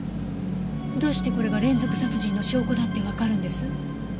どうしてこれが連続殺人の証拠だってわかるんです？